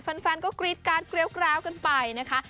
แหละแฟนก็กรี๊ดการเกรี๊ยวกราวกันไปนะคะ